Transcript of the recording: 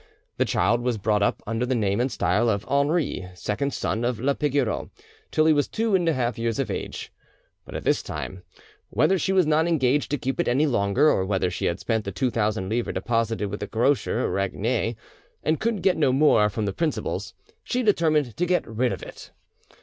The child was brought up under the name and style of Henri, second son of la Pigoreau, till he was two and a half years of age; but at this time, whether she was not engaged to keep it any longer, or whether she had spent the two thousand livres deposited with the grocer Raguenet, and could get no more from the principals, she determined to get rid of it.